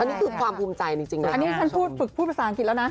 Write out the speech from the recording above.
อันนี้คือความภูมิใจจริงนะอันนี้ฉันพูดฝึกพูดภาษาอังกฤษแล้วนะ